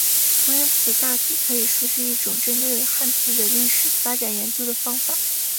同源词大抵可以说是一种针对汉字的历史发展研究的方法。